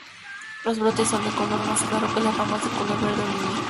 Los brotes son de color más claro que las ramas de color verde oliva.